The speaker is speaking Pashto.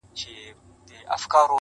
د وزر او د لکۍ په ننداره سو!